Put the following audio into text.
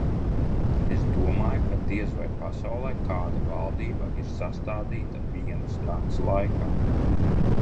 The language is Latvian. Es domāju, ka diez vai pasaulē kāda valdība ir sastādīta vienas nakts laikā.